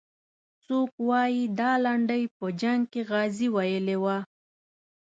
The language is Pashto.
څوک وایي دا لنډۍ په جنګ کې غازي ویلې وه.